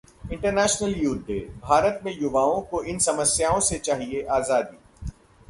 International Youth Day: Bharat में युवाओं को इन समस्याओं से चाहिए आजादी